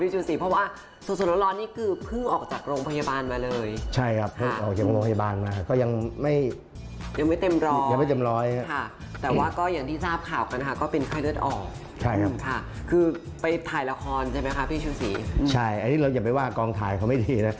ก็เป็นค่ายเลือดออกคือไปถ่ายละครใช่ไหมครับพี่ชิวสีใช่อันนี้เราอย่าไปว่ากองถ่ายเขาไม่ดีนะ